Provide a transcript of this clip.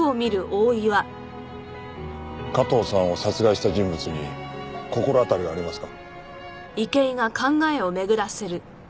加藤さんを殺害した人物に心当たりはありますか？